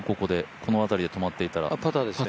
この辺りで止まっていたら。